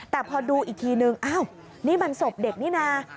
แต่พอดูอีกทีนึงอ้าวนี่มันศพเด็กนี่นะ